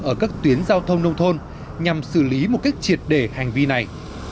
ở các tuyến giao thông nông thôn nhằm xử lý một cách triệt để hành vi này